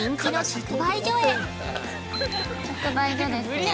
◆直売所ですね。